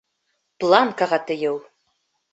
Планкаға тейеү